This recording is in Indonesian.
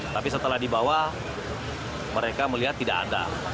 tapi setelah dibawa mereka melihat tidak ada